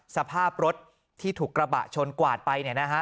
สภาพรถที่ถูกกระบะชนกวาดไปเนี่ยนะฮะ